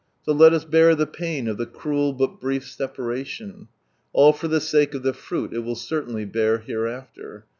So let us bear the pain of the cruel but brief separalion, All (or [he sake of the fruit it will certainly bear hereafter.